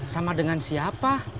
sama dengan siapa